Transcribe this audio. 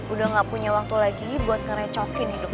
udah gak punya waktu lagi buat ngerecokin hidup